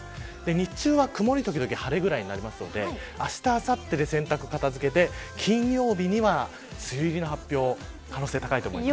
日中は、曇り時々晴れぐらいになるのであした、あさってで洗濯を片付けて金曜日には梅雨入りの発表の可能性が高いと思います。